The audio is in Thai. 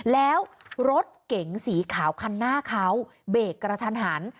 แล้วรถเก๋งสีขาวคันหน้าเขาเบรกกระทันหัน